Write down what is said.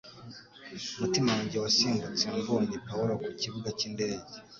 Umutima wanjye wasimbutse mbonye Pawulo ku kibuga cy'indege